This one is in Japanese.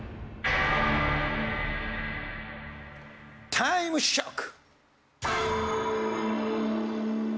タイムショック！